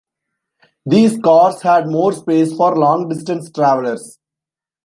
These cars had more space for long-distance travelers.